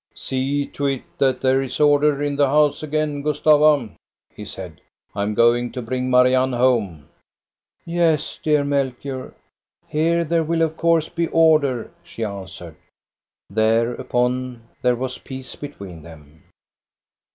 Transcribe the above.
" See to it that there is order in the house again, Gustava !" he said. " I am going to bring Marianne home." " Yes, dear Melchior, here there will of course be order," she answered. Thereupon there was peace between them.